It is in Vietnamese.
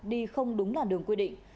đi không đúng làn đường quy định